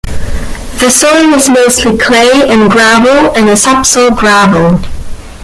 The soil is mostly clay and gravel and the subsoil gravel.